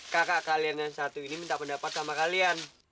kakak kalian yang satu ini minta pendapat sama kalian